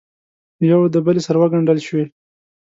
یو دبلې سره وګنډل شوې